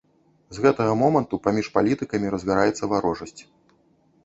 З гэтага моманту паміж палітыкамі разгараецца варожасць.